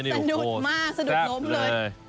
สะดุดมากสะดุดล้มเลย